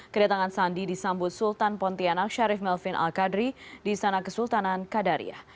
kedatangan sandi disambut sultan pontianak syarif melvin al qadri di sana kesultanan kadariah